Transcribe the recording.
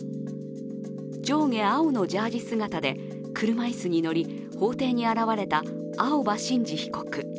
上下青のジャージ姿で車いすに乗り法廷に現れた青葉真司被告。